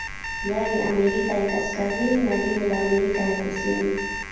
Yani Amerika ya kaskazini na lile la Amerika ya kusini